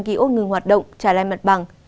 kỷ ốt ngừng hoạt động trả lại mặt bằng